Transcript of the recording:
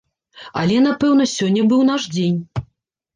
Але, напэўна, сёння быў наш дзень.